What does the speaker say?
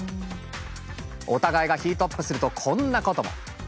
お互いがヒートアップするとこんなことも。